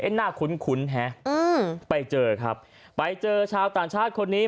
เอ๊ะน่าคุ้นฮะอืมไปเจอครับไปเจอชาวต่างชาติคนนี้